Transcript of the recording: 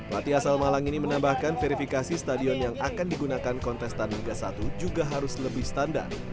pelatih asal malang ini menambahkan verifikasi stadion yang akan digunakan kontestan liga satu juga harus lebih standar